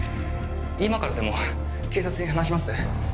今からでも警察に話します？